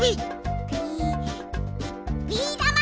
ビビーだま！